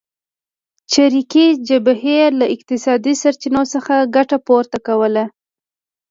چریکي جبهې له اقتصادي سرچینو څخه ګټه پورته کوله.